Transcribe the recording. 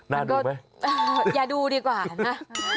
น่าดูไหมอย่าดูดีกว่านะ